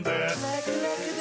ラクラクだ！